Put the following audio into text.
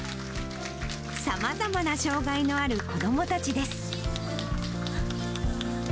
さまざまな障がいのある子どもたちです。